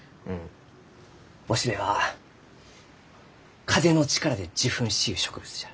雄しべは風の力で受粉しゆう植物じゃ。